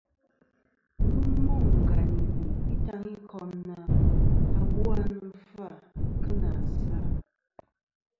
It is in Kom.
Ghɨ mô ngàyn î lì Itaŋikom na, "awu a nɨn fɨ-à kɨ nà zɨ-à.”.